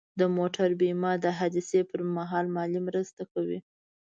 د موټر بیمه د حادثې پر مهال مالي مرسته کوي.